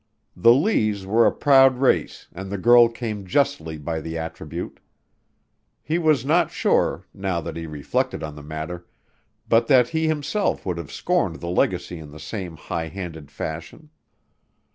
The Lees were a proud race and the girl came justly by the attribute. He was not sure, now that he reflected on the matter, but that he himself would have scorned the legacy in the same high handed fashion.